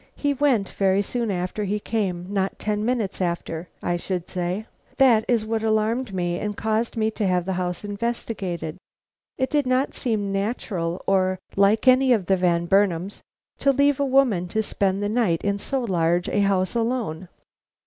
He went very soon after he came, not ten minutes after, I should say. That is what alarmed me and caused me to have the house investigated. It did not seem natural or like any of the Van Burnams to leave a woman to spend the night in so large a house alone."